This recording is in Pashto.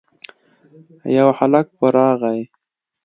يو هلک په راغی.